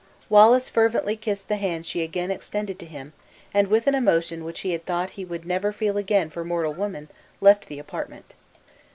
Wallace fervently kissed the hand she again extended to him; and, with an emotion which he had thought he would never feel again for mortal woman, left the apartment.